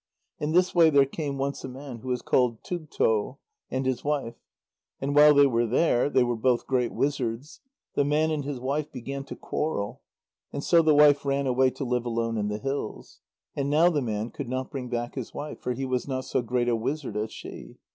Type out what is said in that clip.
In this way there came once a man who was called Tugto, and his wife. And while they were there they were both great wizards the man and his wife began to quarrel, and so the wife ran away to live alone in the hills. And now the man could not bring back his wife, for he was not so great a wizard as she.